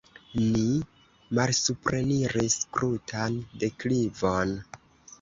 Ni malsupreniris krutan deklivon.